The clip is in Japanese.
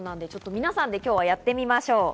皆さんでやってみましょう。